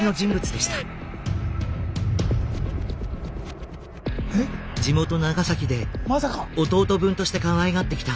まさか⁉地元・長崎で弟分としてかわいがってきた